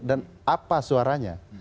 dan apa suaranya